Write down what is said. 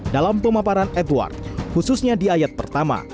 dalam pemaparan edward khususnya di ayat pertama